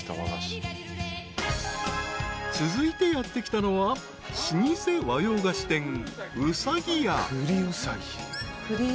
［続いてやって来たのは老舗和洋菓子店］